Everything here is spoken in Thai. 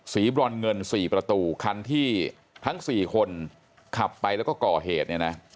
บรอนเงิน๔ประตูคันที่ทั้ง๔คนขับไปแล้วก็ก่อเหตุเนี่ยนะ